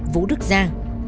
vũ đức giang